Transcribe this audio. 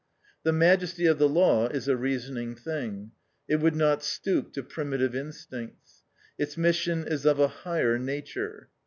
The majesty of the law is a reasoning thing; it would not stoop to primitive instincts. Its mission is of a "higher" nature.